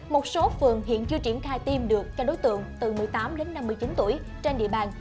một số phường hiện chưa triển khai tiêm được cho đối tượng từ một mươi tám đến năm mươi chín tuổi trên địa bàn